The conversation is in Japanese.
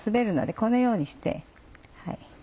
このようにして。